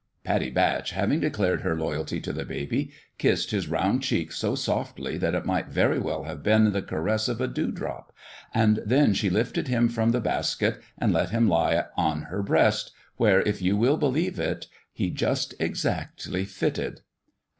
Pattie Batch, having declared her loyalty to the baby, kissed his round cheek so softly that it might very well have been the caress of a dewdrop; and then she lifted him from the basket, and let him lie on her breast, where, if you will believe it, he just exactly fitted.